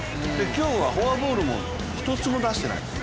今日はフォアボールも１つも出してない。